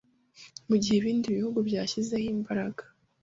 Mu gihe ibindi bihugu byashyizeho imbaraga